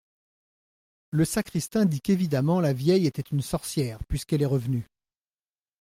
Le sacristain dit qu'évidemment la vieille était une sorcière, puisqu'elle est revenue.